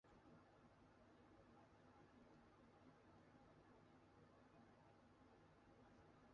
科济莫杰米亚诺夫卡村委员会是俄罗斯联邦阿穆尔州坦波夫卡区所属的一个村委员会。